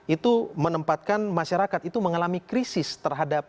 itu menempatkan masyarakat itu mengalami krisis terhadap